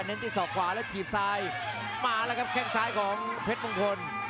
จังหวาดึงซ้ายตายังดีอยู่ครับเพชรมงคล